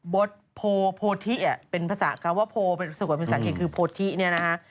บทโพโพธิเป็นภาษากรรมว่าโพสักวัติเป็นภาษาเขตคือโพธิเนี่ยนะฮะ